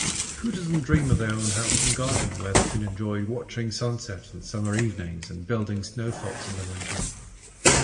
Who doesn’t dream of their own house and garden where they could enjoy watching sunsets on summer evenings and building snow forts in the winter.